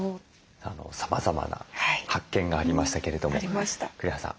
さまざまな発見がありましたけれども栗原さん